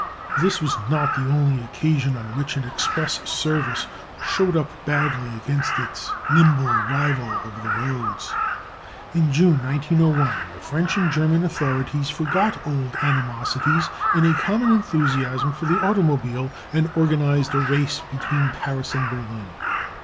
This was not the only occasion on which an express service showed up badly against its nimble rival of the roads. In June, 1901, the French and German authorities forgot old animosities in a common enthusiasm for the automobile, and organised a race between Paris and Berlin.